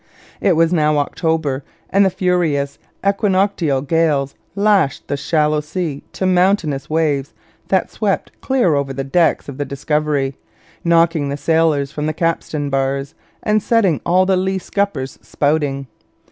It was now October; and the furious equinoctial gales lashed the shallow sea to mountainous waves that swept clear over the decks of the Discovery, knocking the sailors from the capstan bars and setting all the lee scuppers spouting.